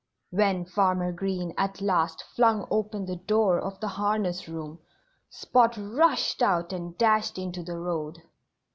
When Farmer Green at last flung open the door of the harness room Spot rushed out and dashed into the road.